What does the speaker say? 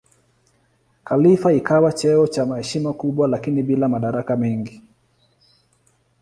Khalifa ikawa cheo cha heshima kubwa lakini bila madaraka mengi.